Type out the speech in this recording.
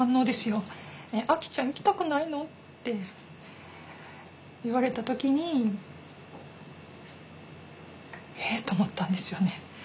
「えっ亜希ちゃん行きたくないの？」って言われた時にえっと思ったんですよね。